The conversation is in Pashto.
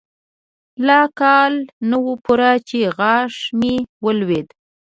لا کال نه و پوره چې غاښ مې ولوېد.